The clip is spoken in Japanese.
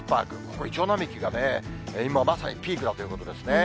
ここ、イチョウ並木がね、今、まさにピークだということですね。